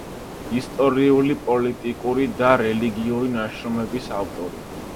ისტორიული, პოლიტიკური და რელიგიური ნაშრომების ავტორი.